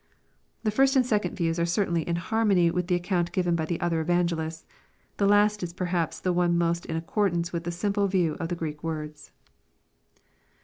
The first and second views are certainly in harmony witih the account given by the other evangehsts. The last is perhaps the one most in accordance with the simple view of the Greek words.